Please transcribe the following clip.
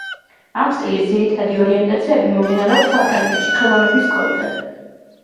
ამ სტილის ძირითადი ორიენტაციები მომდინარეობს საფრანგეთში ხელოვნების სკოლიდან.